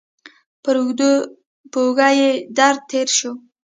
پر اوږه یې درد تېر شو.